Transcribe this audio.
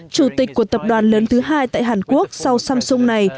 chủ tịch của tập đoàn lớn thứ hai tại hàn quốc sau samsung này